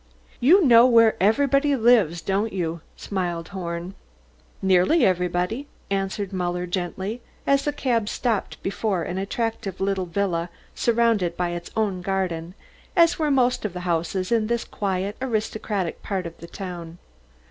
"You know where everybody lives, don't you?" smiled Horn. "Nearly everybody," answered Muller gently, as the cab stopped before an attractive little villa surrounded by its own garden, as were most of the houses in this quiet, aristocratic part of the town.